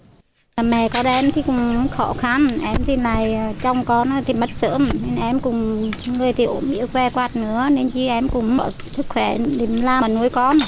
em sớm em cũng người tiểu mẹ về quạt nữa nên em cũng có sức khỏe để làm nuôi con